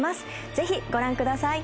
ぜひご覧ください。